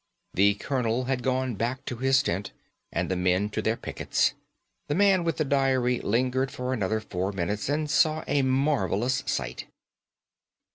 The colonel had gone back to his tent, and the men to their pickets; the man with the diary lingered for another four minutes, and saw a marvellous sight.